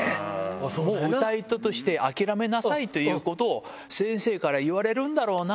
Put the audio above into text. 歌い手として諦めなさいということを、先生から言われるんだろうな。